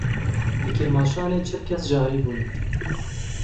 Li Kirmaşanê çil kes jehrî bûne.